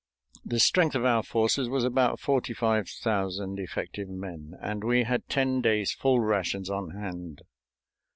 The strength of our forces was about forty five thousand effective men, and we had ten days' full rations on hand.